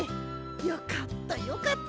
よかったよかった。